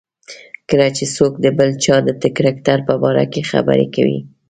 کله چې څوک د بل چا د کرکټر په باره کې خبرې کوي.